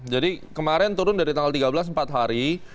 jadi kemarin turun dari tanggal tiga belas empat hari